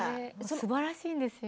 すばらしいですよ。